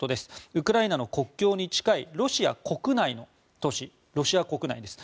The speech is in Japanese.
ウクライナの国境に近いロシア国内の都市ロシア国内です。